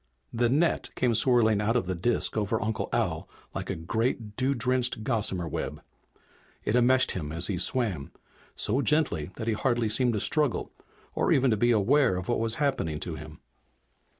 The net came swirling out of the disk over Uncle Al like a great, dew drenched gossamer web. It enmeshed him as he swam, so gently that he hardly seemed to struggle or even to be aware of what was happening to him.